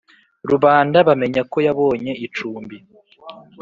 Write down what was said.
rubanda bamenya ko yabonye icumbi;